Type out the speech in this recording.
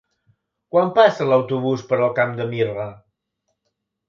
Quan passa l'autobús per el Camp de Mirra?